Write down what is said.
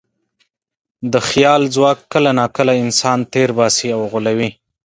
د خیال ځواک کله ناکله انسان تېر باسي او غولوي.